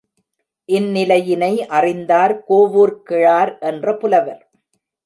இந்நிலையினை அறிந்தார் கோவூர்க் கிழார் என்ற புலவர்.